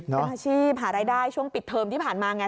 เป็นอาชีพหารายได้ช่วงปิดเทอมที่ผ่านมาไง